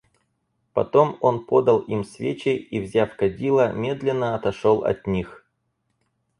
Потом он подал им свечи и, взяв кадило, медленно отошел от них.